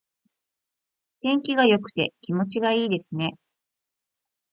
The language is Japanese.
天気が良くて気持ちがいいですね。